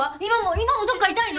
今もどっか痛いの？